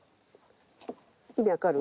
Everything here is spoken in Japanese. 意味わかる？